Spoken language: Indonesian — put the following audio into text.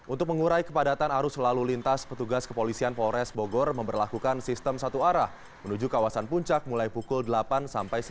untuk mengurai kepadatan arus lalu lintas petugas kepolisian polres bogor memperlakukan sistem satu arah menuju kawasan puncak mulai pukul delapan sampai sepuluh